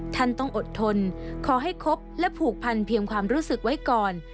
ท่านต้องอดทนขอให้ครบและผูกพันเพียงความรู้สึกไว้ก่อน